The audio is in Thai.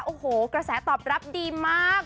โอ้โหกระแสตอบรับดีมาก